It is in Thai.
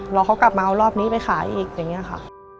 รอเขากลับมาเอารอบนี้ไปขายอีกอย่างนี้ค่ะ